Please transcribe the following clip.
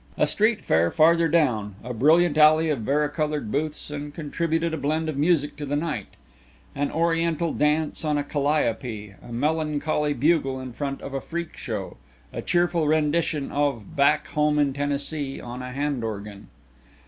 A street fair farther down made a brilliant alley of varicolored booths and contributed a blend of music to the night an oriental dance on a calliope, a melancholy bugle in front of a freak show, a cheerful rendition of "Back Home in Tennessee" on a hand organ.